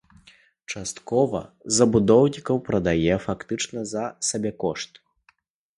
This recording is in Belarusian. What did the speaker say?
Частка забудоўнікаў прадае фактычна за сабекошт.